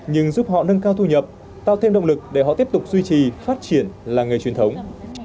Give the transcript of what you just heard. nhưng giúp họ nâng cao thu nhập tạo thêm động lực để họ tiếp tục duy trì phát triển làng nghề truyền thống